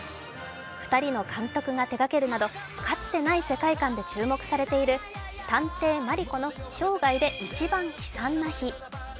２人の監督が手がけるなどかつてない世界観で注目されている「探偵マリコの生涯で一番悲惨な日」